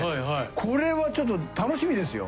これはちょっと楽しみですよ。